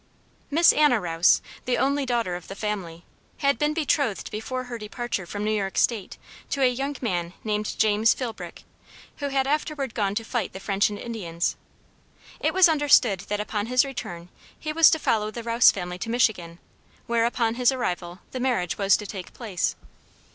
Miss Anna Rouse, the only daughter of the family, had been betrothed before her departure from New York State to a young man named James Philbrick, who had afterward gone to fight the French and Indians. It was understood that upon his return he was to follow the Rouse family to Michigan, where, upon his arrival, the marriage was to take place.